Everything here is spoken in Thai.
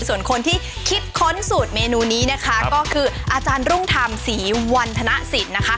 ส่วนคนที่คิดค้นสูตรเมนูนี้นะคะก็คืออาจารย์รุ่งธรรมศรีวันธนสิทธิ์นะคะ